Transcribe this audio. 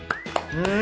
うん！